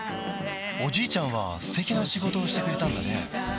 おじいちゃんは素敵な仕事をしてくれたんだね